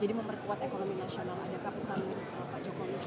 jadi memperkuat ekonomi nasional adakah pesan pak jokowi